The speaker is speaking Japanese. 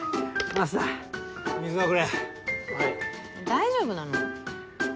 大丈夫なの？